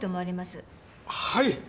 はい。